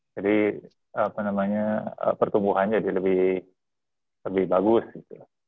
jadi apa namanya pertumbuhan jadi lebih lebih bagus gitu